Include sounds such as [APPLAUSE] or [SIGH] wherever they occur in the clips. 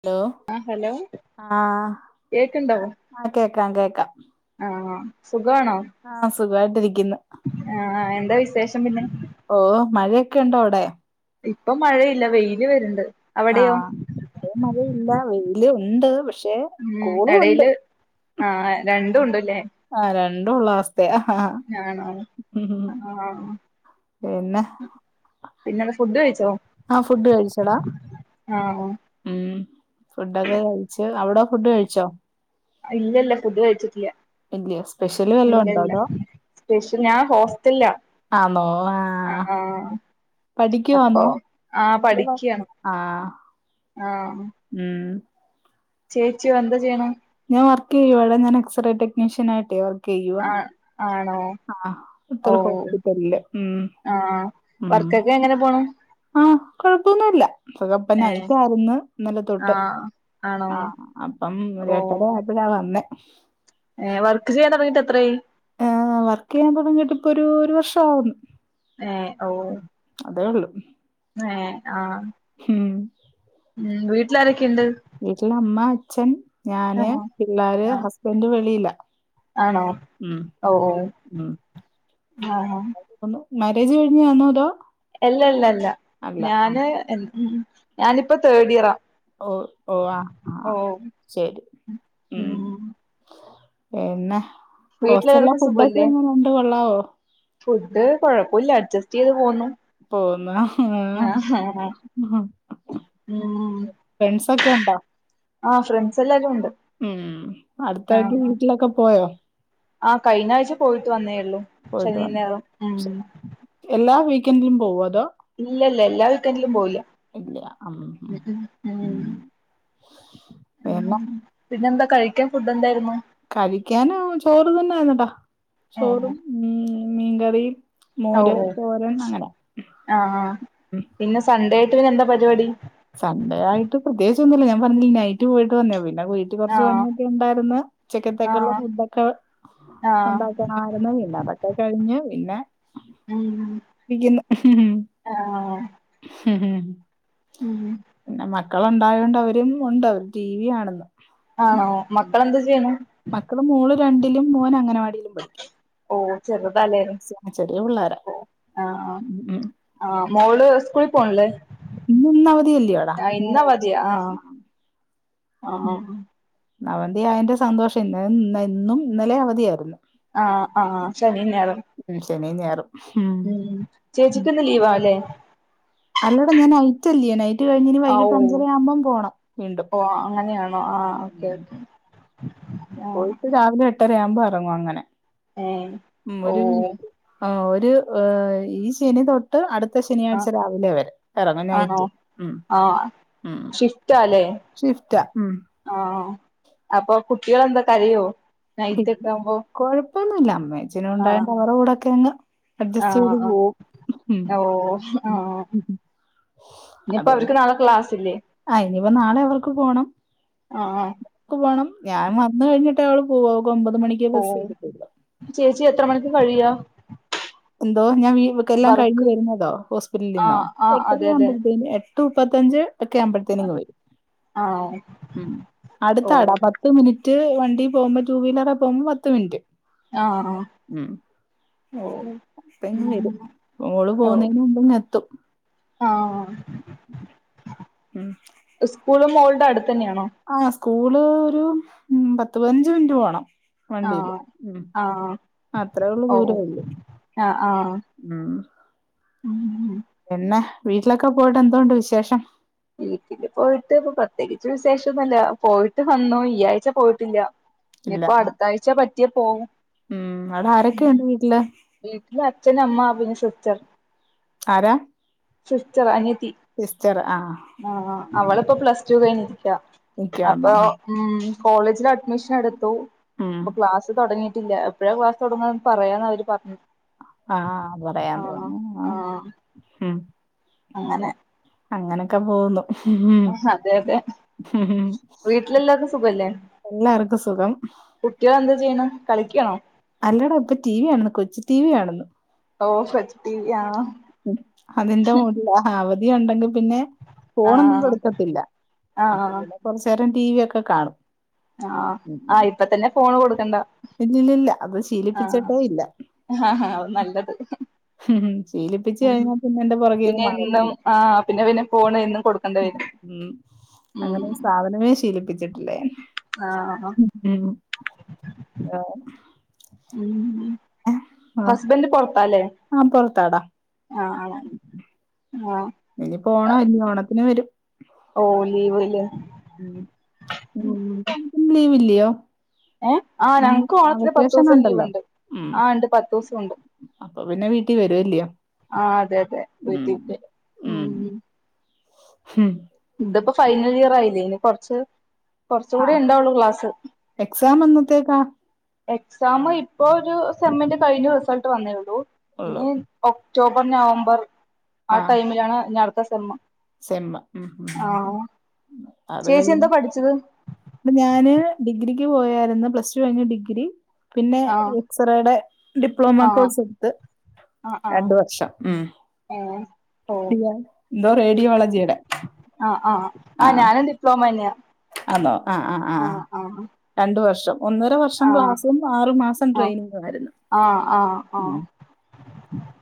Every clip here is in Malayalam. ഹലോ ആ ഹലോ ആഹ് കേക്ക്ണ്ടോ ആ കേക്കാം കേക്കാം. ആഹ് സുഖാണോ? ആഹ് സുഖവായിട്ടിരിക്ക്ന്ന്. ആഹ് എന്താ വിശേഷം പിന്നെ? ഓഹ് മഴയൊക്കെ ഉണ്ടോ അവിടെ? ഇപ്പം മഴയില്ല വെയില് വര്ണ്ട്. അവിടെയോ ആഹ് ഇവിടേം മഴയില്ല വെയില് ഉണ്ട് പക്ഷെ- ഉം കോളും ഉണ്ട് എടേല് ആഹ് രണ്ടും ഉണ്ട് ഇല്ലേ ആ രണ്ടുംയുള്ള അവ - ക്കെ ആഹാ ആഹ് ആണോ ആഹ് പിന്നെ പിന്നെന്ത ഫുഡ് കഴിച്ചോ? ആഹ് ഫുഡ് കഴിച്ചെടാ ആ ഉം ഫുഡൊക്കെ കഴിച്ച് അവിട ഫുഡ് കഴിച്ചോ? ഇല്ല ഇല്ല ഫുഡ് കഴ്ച്ചിട്ടില്ല്യ ഇല്യാ സ്പെഷ്യല് വല്ലോം ഉണ്ടോ അതോ സ്പെഷ്യൽ ഞാൻ ഹോസ്റ്റല്ലാ ആന്നോ ആഹ് അപ്പൊ പഠിക്കുവാന്നോ ആഹ് പഠിക്കയാണ് ആഹ് ആഹ് ഉം ചേച്ചിയോ എന്തോ ചെയ്യ്ണ് ഞാൻ വർക്ക് ചെയ്യുവാടാ ഞാന് എക്സ്റെ ടെക്നീഷ്യനായിട്ട് വർക്ക് ചെയ്യുവാ ആഹ് ആണോ? ആഹ് ഓ ഇത്രരു ഹോസ്പിറ്റലില് ഉം ആ ഉം വർക്കൊക്കെ എങ്ങനെ പോണു ആഹ് കൊഴപ്പൊന്നുല്ല സുഖ ഏ പ്പനയിറ്റായിരുന്ന് ഇന്നലെ ആ തൊട്ട് ആണോ ആഹ് അപ്പം ഒരു ഓ എട്ടര ആയപ്പഴാ വന്നേ ഏഹ് വർക്ക് ചെയ്യാൻ തൊടങ്ങീറ്റ് എത്രായി ഏഹ് വർക്ക് ചെയ്യാൻ തുടങ്ങിയിട്ട് ഇപ്പൊ ഒരു ഒരു വർഷം ആകുന്നു ഏഹ് ഓ അതേ ഉള്ളൂ ഏഹ് ആഹ് ഉം ഉം വീട്ടിലാരൊക്കെയുണ്ട് വീട്ടില് അമ്മ അച്ഛൻ ഞാന് ആഹ് പിള്ളാര് ആഹ് ഹസ്ബന്റ് വെളിയിലാ ആണോ ഉം ഓ ഓ ഉം ആഹ് ആഹ് മാരേജ് കഴിഞ്ഞതാന്നോ അതോ എല്ലല്ലല്ല അല്ല ആഹ് ഞാന് ഞാനിപ്പ തേർഡ് ഇയറാ ഓ ഓ ആഹ് ഓ ആഹ് ശരി ഉം പിന്നെ ഹോസ്റ്റലിലെ വീട്ടിലെല്ലാർക്കും ഫുഡൊക്കെ സുഖല്ലേ എങ്ങനെ ഉണ്ട് കൊള്ളാവോ ഫുഡ് കൊഴപ്പുല്ല അഡ്ജസ്റ്റ് ചെയ്ത് പോന്നു പോന്നു ആഹ് ഉം ഫ്രണ്ട്സൊക്കെ ഉണ്ടോ ആഹ് ഫ്രണ്ട്സ് എല്ലാരും ഉണ്ട് ഉം അടുത്തിടയ്ക്ക് ആഹ് വീട്ടിലൊക്കെ പോയോ ആഹ് കഴിഞ്ഞ ആഴ്ച പോയിട്ട് വന്നേ ഉള്ളൂ എല്ലാ വീക്കെന്ഡിലും പോകുവോ അതോ ഇല്ലല്ല എല്ലാ വിക്കെന്റിലും പോയില്ല ഇല്ല അം പിന്നെ പിന്നെന്താ കഴിക്കാൻ ഫുഡ് എന്തായിരുന്നു കഴിക്കാൻ ചോറ് തന്നൊയിരുന്നാടാ ഏഹ് ചോറും ഉം മീ മീൻകറിയും ഓ മോര് ഓ തോരൻ അങ്ങനെ ആഹ് ആ ഉം പിന്നെ സൺഡേ ആയിട്ട് പിന്നെ എന്താ പരിപാടി സൺഡേ ആയിട്ട് പ്രത്യേകിച്ച് ഒന്നുമില്ല ഞാൻ പറഞ്ഞില്ല നൈറ്റ് പോയിട്ട് വന്നയാ പിന്നെ വീട്ടി വീട്ടി കുറച്ച് ആഹ് പണിയൊക്കെ ഉണ്ടായിരുന്നു ഉച്ചക്കത്തേയ്ക്കുള്ള ആഹ് ഫുഡ്ഒക്കെ ആഹ് ഉണ്ടാക്ക ആരുന്നു പിന്നെ അതൊക്കെ കഴിഞ്ഞ് പിന്നെ ഉം പഠിക്കുന്നു ആഹ് ഉം പിന്നെ മക്കള് ഉണ്ടായോണ്ട് അവരും ഉണ്ട് അവര് ടിവി കാണുന്നു ആണോ മക്കളെന്ത് ചെയ്യുന്നു മക്കള് മോള് രണ്ടിലും മോന് അംഗനവാടിയിലും പഠിക്കുന്നു ഓ ചെറുതല്ലേന് സ- ചെറിയ പിള്ളാരാ ഓ ആഹ് ആഹ് ഉം ഉം ആഹ് മോള് സ്കൂളിൽ പോണില്ലേ ഇന്ന് ഒന്ന് അവധിയല്ലേടാ ആഹ് ഞായറാഴ്ച ഇന്നവധിയാ ആഹ് ആഹ് അവതി ആയതിന്റെ സന്തോഷം ഇന്ന് ഇന്നും ഇന്നലെ അവധിയായിരുന്നു ആഹ് ആഹ് ശനിയും ഞായറും ഉം ശനിയും ഞായറും ഉം.. ചേച്ചിക്ക്ന്ന് ലീവാല്ലേ അല്ലട ഞാൻ നൈറ്റല്ലിയോ നൈറ്റ് ആഹ് ഓ കഴിഞ്ഞ്നിവൈകിട്ട് അഞ്ചര ആവുമ്പം പോണം വീണ്ടും ഓ അങ്ങനെയാണോ ഉം. [UNINTELLIGIBLE] ആഹ് പോയിട്ട് രാവിലെ എട്ടരയാവുമ്പോ ഇറങ്ങും അങ്ങനെ ഏഹ് ഉം ഓ ഒരു മിനിറ്റ് ആഹ് ഒരു ഈ ശനി തൊട്ട് യിട്ട് അടുത്ത ആഹ് ശനിയാഴ്ച രാവിലെ വരെ ഇറങ്ങും ആണോ നൈറ്റ് ഉം ആഹ് ഉം ഷിഫ്റ്റാല്ലേ ഷിഫ്റ്റാ ഉം ആഹ് അപ്പൊ കുട്ടികൾ എന്തൊ കരയോ നൈറ്റ് ഒക്കെ ആകുമ്പോ കൊഴപ്പൊന്നുമില്ല അമ്മേച്ചനും ഉണ്ടായോണ്ട് അവരുടെ കൂടെയൊക്കയങ്ങ് അഡ്ജസ്റ്റയ്ത് ആഹ് പോവും.. ഹ്മ് ഹ് നിപ്പ അവര്ക്ക് നാളെ ക്ലാസ്സ് ല്ലേ... ആ ഇനിയിപ്പം നാളെ അവർക്ക് പോണം ആഹ് ആഹ് ക്ക് പോണം. ഞാൻ വന്നു കഴിഞിട്ടേ അവള് പോവ്വ. അവൾക്ക്ഒമ്പത് മണിക്ക് ബസ് ഓഹ്.... വരത്തുള്ളൂ. ചേച്ചി എത്ര മണിക്ക കഴിയാ? എന്തോ ഞാൻ വീ വിക്കെല്ലാം കഴിഞ്ഞ് വർക്ക് വരുന്നതാ ഹോസ്പിറ്റലിന്ന്. ആഹ് ആഹ് അതെ അതെ എട്ടരയാവുമ്പൊ പൊയ് ത്തുപ്പത്തഞ്ച് ഒക്കെ ആവുമ്പോഴത്തേന്ങ്ങ് വരും. ആഹ് അടുത്താ ഓഹ് ടാ ത്ത് മിനിറ്റ് വണ്ടി പോവുമ്പോ. ടു വീലറെ പോവുമ്പോ പത്ത് മിനിറ്റ് ആഹാ ഉം ഓ ഇപ്പ ഇങ്ങ് വരും. ഓള് പോവുന്നതിന് മുമ്പെങ്ങെത്തും ആഹ് ഉം സ്കൂളു മോൾടെ അടുത്തന്നെയാണോ ആ സ്കൂള്, ഒരു പത്ത്, പതിനഞ്ച്, മിൻറ്റ് പോണം വണ്ടീല്. ആഹ് ഉം.... ആഹ് അത്രേഒള്ളു. ഓഹ് ദൂരേള്ളൂ ആഹ് ആ പിന്നെ വീട്ടിലൊക്കെ പോയിട്ട് എന്തോണ്ട് വിശേഷം? വീട്ടില് പോയിട്ട് ഇപ്പൊ പ്രത്യേകിച്ച് വിശേഷന്നൊല്ല. പോയിട്ട് വന്നു ഈ ആഴ്ച പോയിട്ടില്ല ഇല്ല ഞിപ്പോ അടുത്താഴ്ച പറ്റിയ പോവും ഉം.. അവിടെ ആരൊക്കെയുണ്ട് വീട്ടില്? വീട്ടില് അച്ഛൻ അമ്മ പിന്നെ, സിസ്റ്റർ ആരാ സിസ്റ്ററാ അനിയത്തി സിസ്റ്ററാ ആ ഉം അവളിപ്പോ പ്ലസ് ടു കഴിഞ്ഞിരിക്ക നിക്കാന്നോ അപ്പൊ ആഹ് ഉം കോളേജിൽ അഡ്മിഷൻ എടുത്തു ഉം അപ്പൊ ക്ലാസ് തുടങ്ങിയിട്ടില്ല പ്പോ എപ്പോ ക്ലാസ് തുടങ്ങാന്ന് പറയാന്ന അവര് പറഞ്ഞത് ആഹ അത് പറയാന്ന് പറഞ്ഞു ആഹ ആ ഉം അങ്ങനെ അങ്ങനെക്കെ പോകുന്നു ഉം അതെ യതെ സുഖം എല്ലാർക്കും സുഖം കുട്ടിയെന്താ ചെയ്യ്ണെ കളിക്കണോ അല്ലടാ ഇപ്പൊ ടി വി കാണ്ന്ന് കൊച്ചി ടി വി കാണെന്ന് ഓ കൊച്ചു ടി വി ആണോ അതിന്റെ മൂഡിലാ അവധി ഉണ്ടെങ്കി പിന്നെ ആ ഫോണൊന്നും കൊടുക്കത്തില്ല അപ്പോ ആ പിന്നെ കൊറച്ചേരം ടി വി ഒക്കെ കാണും ആഹ ആ ഉം ഇപ്പന്നെ ഫോണ് കൊടുക്കണ്ട ഇല്ലില്ലില്ല അത് ശീലിപ്പിച്ചിട്ടേ ഇല്ല ആഹ ആ നല്ലത് മം, ശീലിപ്പിച്ചു, ഉം കഴിഞ്ഞാ- പിന്നെ, അതിന്റെ, പുറകെ. പിന്നെ, എന്നും, ആ, പിന്നെ, പിന്നെ, ഫോൺ, എന്നും, കൊടുക്കും. മം, അങ്ങനെ, ഒരു, സാധനമേ ശീലിപ്പിച്ചിട്ടില്ലേ, [UNINTELLIGIBLE] ഞാൻ ആഹ ഉം ആഹ ഉം ആഹ ഹസ്ബന്റ് പോർത്താലെ ആഹ് പോർത്താടാ ആഹ ആ ആഹ ഇനിപ്പോ ഓണായില്ലേ ഓണത്തിന് വരും ഓ, ലീവല്ലേ മം, അപ്പൊ, അവർക്ക്, ലീവില്ലയോ. എ, ആ, ഇനി ഞങ്ങക്കും, ആ ഓണത്തിന്, പത്ത്, വെക്കേഷൻ ദിവസം, ഉണ്ടല്ലോ. ലീവോണ്ട്, ഉം ആ ഇണ്ട്, പത്തുദിവസോംണ്ട്. അപ്പൊ, പിന്നെ, വീട്ടിൽ വരുവല്ലയോ. ആ, അതെ, അതെ, ഉം. വീട്ടിക്ക്, വരും. ഹ്മ് ഇതിപ്പോ, ഫൈനൽ, ഇയർ ആയില്ലേ, ഇനി, കൊറച്ച്, കുറച്ച് കൂടി, ആഹ് ഉണ്ടാവുള്ളു, ക്ലാസ്സ്. എക്സാം, എന്നത്തേക്കാ. എക്സാം, ഇപ്പൊ, ഒരു, സെമ്മിന്റ കഴിഞ്ഞു, റിസൾട്ട്, വന്നേയുള്ളു, ഉള്ളൂ ഇനി. ഒക്ടോബർ, നവംബർ, ആ ആഹ് ടൈമിലാണ്, ഇനി, അടുത്ത, സെമ്മ്. സെമ്മ്, മം, മം. ആഹ് അത് ചേച്ചി കഴിയും, എന്താ പഠിച്ചത് അപ്പൊ, ഞാന് ഡിഗ്രിക്ക്, പോയായിരുന്നു, പ്ലസ്റ്റു, കഴിഞ്ഞ്, ഡിഗ്രി. പിന്നെ, ആഹ് എക്സ്റേയുടെ, ഡിപ്ലോമ ആഹ് കോഴ്സ്, എടുത്ത്. ആഹ് ആഹ് രണ്ട്, വർഷം, മം. ഓ റേഡിയോളജിയുടെ അ, ആ, ഞാനും, ഡിപ്ലോമ തന്നെയാ. അന്നോ, ആ, ആ, ആ, ആഹ് ആഹ് രണ്ടു വർഷം, ഒന്നര വർഷം. ഒരു, വർഷം, ആഹ് ക്ലാസും, ആറു മാസം, ആഹ് ട്രെയിനിങ്ങും ആയിരുന്നു.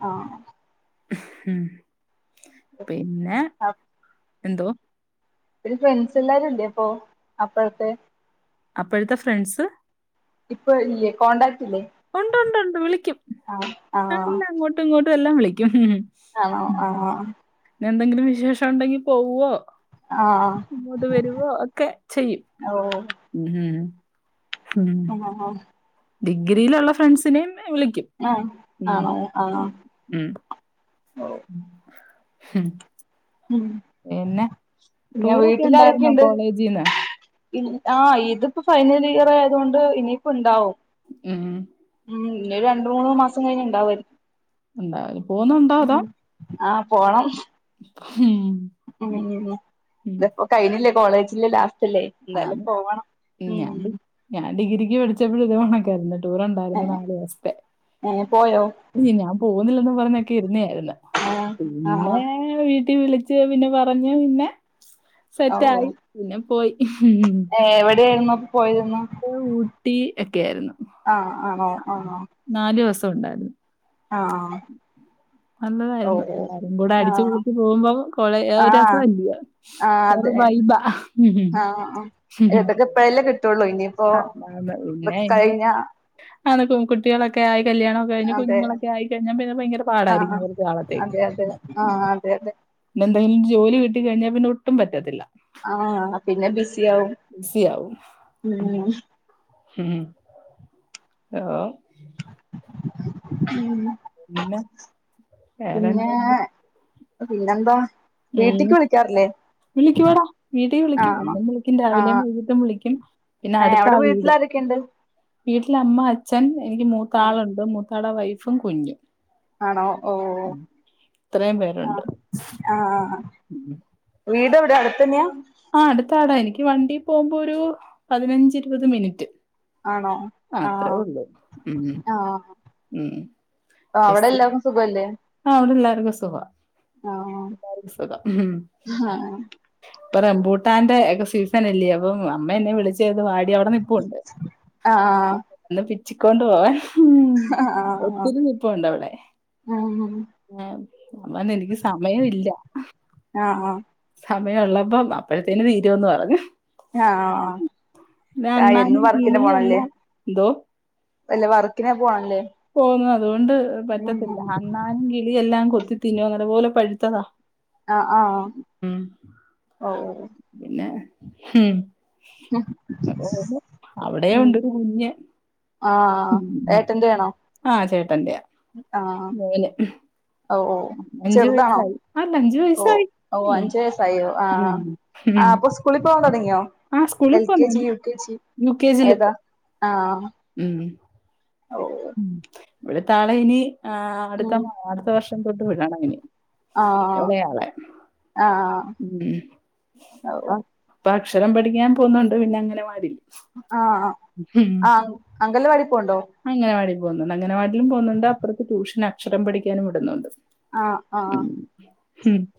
ആ മം, പിന്നെ, എന്തോ. ഒത്തിരി, ഫ്രണ്ട്സ്, എല്ലാവരുംല്ലേ അപ്പൊ, അപ്പഴത്തെ. അപ്പോഴത്തെ, ഫ്രണ്ട്സ്. ഇപ്പൊ, ഇല്ലേ, കോൺടാക്ട് ഇല്ലേ. ഒണ്ട്, ണ്ട്, ണ്ട്, വിളിക്കും, ആഹ് ആഹ് ഞങ്ങള് അങ്ങോട്ടും, ഇങ്ങോട്ടും, എല്ലാം, വിളിക്കും, ആണോ മം. [UNINTELLIGIBLE] ആഹ് എന്തെങ്കിലും വിശേഷം, ഉണ്ടെങ്കി, പോകുവോ. ആ ഇങ്ങോട്ട്, വരുവോ, ഒക്കെ, ചെയ്യും, ഓ മം. മം, ആഹ് ഡിഗ്രിയിലുള്ള, ഫ്രണ്ട്സിനെയും, വിളിക്കും. ആഹ് ഉം ആണോ ആഹ് ഉം ഹും ഉം. പിന്നെ, പിന്നെ ടൂറൊക്കെ ണ്ടായിര്ന്നോ കോളേജീന്ന്. ഇൻ അഹ് ഇത്പ്പ ഫൈനലിയർ ആയതൊണ്ട് ഇനിപ്പോ ണ്ടാവും. ഉം ഉം ഞ്ഞൊരു രണ്ട്, മൂന്ന്, മാസം കഴിഞ്ഞുണ്ടാവായ് ണ്ടാവും പോന്നുണ്ടോ, അതോ. ആഹ് പോണം. ഉം മം, ഉം. ഇതപ്പോ, കഴിയില്ലേ കോളേജില്ലേ, ലാസ്റ്റ്ല്ലേ. എന്താലും അത് പോവണം ഞാൻ ഡി ഉം ഞാൻ ഡിഗ്രിക്ക് പഠിച്ചപ്പോഴ ഇത പോണക്കായിരുന്നു ടൂർണ്ടായിരുന്നു ഏഹ് നാാലു ദിവസത്തെ ഏഹ് പോയോ ഞ് ഞാ പോകുന്നില്ലന്നും പറഞ്ഞൊക്കെ ഇരുന്നെയായ്ര്ന്നു, ഏഹ് പിന്നെ. ആഹ് യൊ വീട്ടി വിളിച്ച് പിന്നെ പറഞ്ഞ് പിന്നെ സെറ്റായി പിന്നെ പോയി. ഉം ഉം. ഏ വടെയായിരുന്നു, അപ്പൊ പോയിരുന്ന. എ ഊട്ടി എക്കെ ആയിരുന്നു ആഹ് ആണോ അ ആണോ നാലുസം ഉണ്ടായിര് ആഹ്. നല്ലതായിര്ന്നു ഓഹ് എല്ലാരുംകൂടെ ഓഹ് അടിച്ചു ആഹ് പൊളിച്ച് പോകുമ്പം കോളെ അ ആഹ് രസവല്ലയോ. ആഹ് വേറൊരു അതെ വൈബ ഉം ഉം ഇല്ല കിട്ടയുള്ളൂ ഇനി ആഹ് ന ഇല്ലായ്നി അത് കുട്ടികളക്കെ ആയി കല്യാണംക്കെ കഴിഞ്ഞ് അതെ കുഞുങ്ങളൊക്കായിക്കഴിഞ്ഞാ പിന്നെ ഭയങ്കര പാടായിരിക്കും ആഹ് കോർച്ച് നാളത്തേക്ക് അതെ അതെ ആഹ് അതെ അതെ പിന്നെന്തെലും ജോലി കിട്ടി കഴിഞ്ഞാ പിന്നെ ഒട്ടും പറ്റത്തില്ല ആഹ പിന്നെ ബിസി ആവും ബിസിയാവും ഉം ഉം ഉം പിന്നെ വേറെന്താ? പിന്നെ പിന്നെന്താ വീട്ടിക്ക് വിളിക്കാറില്ലേ വിളിക്കൂടാ വീട്ടിൽ വിളിക്കും ആണോ എന്നും വിളിക്കും രാവിലെയും ആഹ് വൈകീട്ടും വിളിക്കും പിന്നെ അടുത്താവീട് വിട്ടിലാരെക്കേണ്ട് വീട്ടില് അമ്മ അച്ഛൻ എനിക്ക് ആഹ് മൂത്താളുണ്ട് മൂത്താളുടെ വൈഫും കുഞ്ഞും ആണോ ഓ ഉം. ആ ആഹ ആഹ് ആ ഉം വീടെവിടെ അടുത്തന്നെയാ ആ അടുത്താടാ എനിക്ക് വണ്ടി പോകുമ്പോ ഒരു പതിനഞ്ച് ഇരുപത് മിനിറ്റ് ആണോ അത്രേ ആഹ ഉള്ളൂ ഉം ആഹ ഉം ആ അവിടെ എസ് എല്ലാർക്കും സുഖവല്ലേ ആ അവിടെ എല്ലാർക്കും സുഖ ആഹ് എല്ലാർക്കും സുഖം ഉം ഇപ്പൊ രെഭൂട്ടാന്റെ ഒക്കെ സീസൺല്ലേ അപ്പം അമ്മ എന്നെ വിളിച്ചത് വാ അ അവിടെനിൽപ്പുണ്ട് ആഹ് ഒന്ന് പിച്ചിക്കൊണ്ട് പോവാൻ ഉം ഒത്തിരി മിറ്റം ഉണ്ടോ അവിടെ അഹ് ആഞാൻ പറഞ്ഞു എനിക്ക് സമയം ഇല്ല ആഹ ആഹ സമയമ ഉള്ളപ്പ അപ്പഴത്തേന് തീരുമന്ന് പറഞ്ഞു ആഹ് ആഹ് പി എന്നും അണ്ണനും കീളിയും എല്ലാം എന്തോ അല്ലെ വർക്കിനെ പോണംല്ലേ ഓ അതുകൊണ്ട് പറ്റത്തില്ല അണ്ണാനും കിളി എല്ലാം കൊത്തി തിന്നു അങ്ങത് പോലെ പഴുത്തതാ ആഹ ആഹ് ഉം. ഓ പിന്നെ അവിടെ ഉണ്ട് ഒരു കുഞ്ഞ് ആ ഏറ്റന്റ് വേണോ ആഹ ചേട്ടന്റെയാ ആഹ മേലെ ഓ ഓ ചെറുതാണോ അല്ല അഞ്ചു ഓ വയസ്സായി ഓ ഉം, അഞ്ച വയസായി ആഹ ഉം. ഹും. ആപ്പൊ സ്കൂളിൽ പോകൻ തുടങ്ങിയോ ആ സ്കൂളിൽ എൽ കെ പോന്നു ജി യു കെ ജി ഏതാ ആ ഉം ഓ ഉ ഇവിടെ താളെ ഇനി ആ അടുത്ത ഉം അടുത്ത വർഷം തൊട്ട് വിടണം അന് ഇളയാളെ ആഹ ഉ അക്ഷരം പഠിക്കാൻ പോന്നുണ്ട് പിന്നെ അംഗൻവാടി ആഹ ആ അങ്കല വടി പോണ്ടോ അങ്ങനവാടിൽ പോന്നുണ്ട് അങ്ങനവാടി പോകുന്നുണ്ട് അപ്പുറത്ത് ട്യൂഷൻ അക്ഷരം പഠിക്കാനും ഇടുന്നുണ്ട് ആഹ് ആഹ്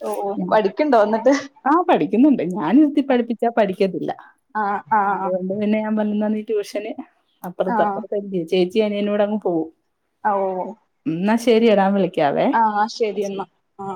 ഓ ഓ ഉ പഠിക്കണ്ടോ എന്നിട്ട് ആഹ പഠിക്കുന്നുണ്ട് ഞാനിരുത്തി പഠിപ്പിച്ചാ ആഹ് ആഹ് പഠിക്കത്തില്ലൊണ്ട് പിന്നെ ഞാൻ വന്നുതന്ന ഈ ട്യൂഷന് അപ്പുറത്ത് ആഹ് അപ്പുറ ചേച്ചി അനോട് അങ്ങ് പോകും ഓ ഉ എന്നാ ശരി ഞാൻ വിളിക്ക ആഹ് ആ ശരിയന്ന് ആ